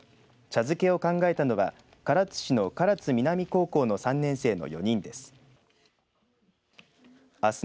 茶漬けを考えたのは唐津市の唐津南高校の３年生の４人です。